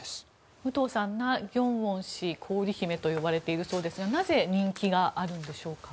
武藤さんナ・ギョンウォン氏氷姫と呼ばれているそうですがなぜ人気があるんでしょうか。